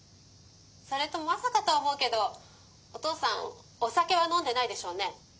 それとまさかとは思うけどお父さんおさけはのんでないでしょうね？」。